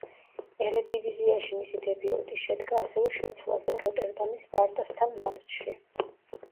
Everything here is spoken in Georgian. ერედივიზიაში მისი დებიუტი შედგა ასევე შეცვლაზე, „როტერდამის სპარტასთან“ მატჩში.